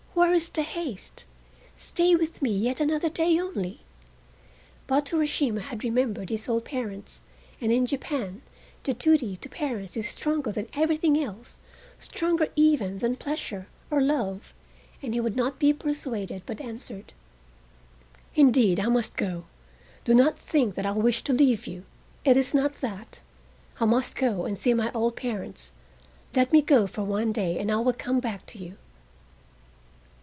Where is the haste? Stay with me yet another day only!" But Urashima had remembered his old parents, and in Japan the duty to parents is stronger than everything else, stronger even than pleasure or love, and he would not be persuaded, but answered: "Indeed, I must go. Do not think that I wish to leave you. It is not that. I must go and see my old parents. Let me go for one day and I will come back to you."